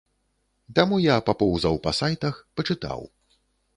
Таму я папоўзаў па сайтах, пачытаў.